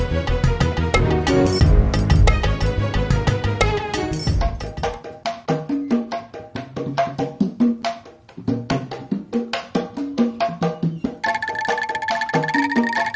kehentikan berat akasinya bagus